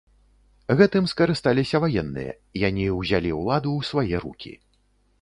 Гэтым скарысталіся ваенныя, яні ўзялі ўладу ў свае рукі.